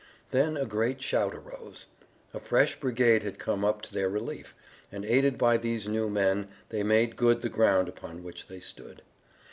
Then a great shout arose. A fresh brigade had come up to their relief, and aided by these new men they made good the ground upon which they stood.